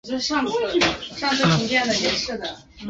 马赛医学院设此。